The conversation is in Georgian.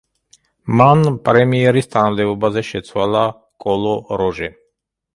მან პრემიერის თანამდებობაზე შეცვალა კოლო როჟე.